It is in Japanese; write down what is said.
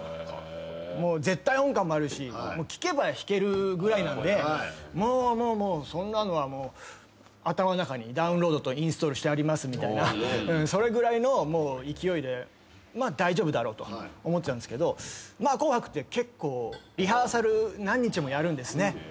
もう絶対音感もあるし聴けば弾けるぐらいなんでもうそんなのはもう頭の中にダウンロードとインストールしてありますみたいなそれぐらいの勢いで大丈夫だろと思っちゃうんですけど『紅白』って結構リハーサル何日もやるんですね。